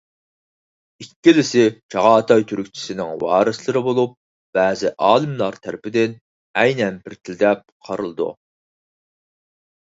ئىككىلىسى چاغاتاي تۈركچىسىنىڭ ۋارىسلىرى بولۇپ، بەزى ئالىملار تەرىپىدىن ئەينەن بىر تىل دەپ قارىلىدۇ.